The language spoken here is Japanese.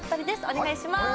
お願いいたします